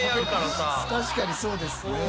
確かにそうですね。